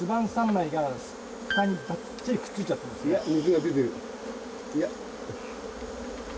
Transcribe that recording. うわ水が出てる。